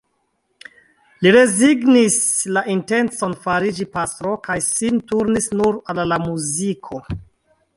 Li rezignis la intencon fariĝi pastro kaj sin turnis nur al la muziko.